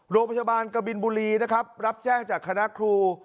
โรงพยาบาลกบินบุรีนะครับรับแจ้งจากคณะครู